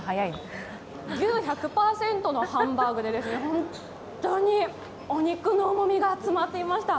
牛１００％のハンバーグで本当にお肉のうまみが詰まっていました。